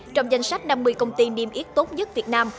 trong danh sách năm mươi công ty niêm yết tốt nhất việt nam